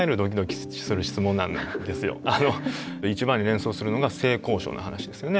一番に連想するのが性交渉の話ですよね。